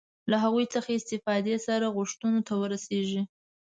له هغوی څخه استفادې سره غوښتنو ته ورسېږي.